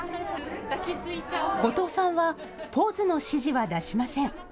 後藤さんはポーズの指示は出しません。